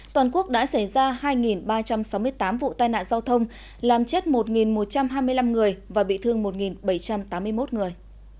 toàn quốc đã xảy ra hai ba trăm sáu mươi tám vụ tai nạn giao thông làm chết một một trăm hai mươi năm người và bị thương một bảy trăm tám mươi một người